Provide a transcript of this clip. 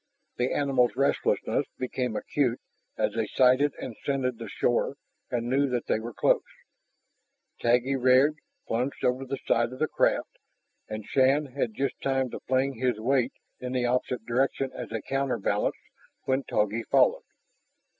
The animals' restlessness became acute as they sighted and scented the shore and knew that they were close. Taggi reared, plunged over the side of the craft, and Shann had just time to fling his weight in the opposite direction as a counterbalance when Togi followed.